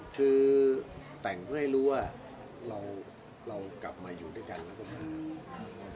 คือแต่งเพื่อให้รู้ว่าเรากลับมาอยู่ด้วยกันแล้วก็มา